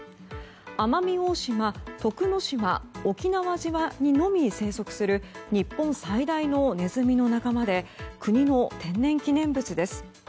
奄美大島、徳之島、沖縄島にのみ生息する日本最大のネズミの仲間で国の天然記念物です。